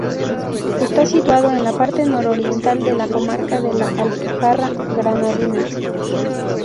Está situado en la parte nororiental de la comarca de la Alpujarra Granadina.